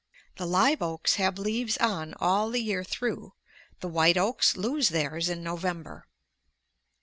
The live oaks have leaves on all the year through; the white oaks lose theirs in November.